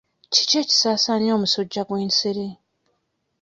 Kiki ekisaasaanya omusujja gw'ensiri?